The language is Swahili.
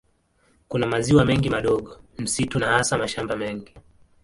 Kuna maziwa mengi madogo, misitu na hasa mashamba mengi.